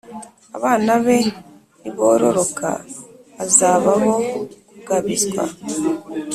Abana be nibororoka bazaba abo kugabizwa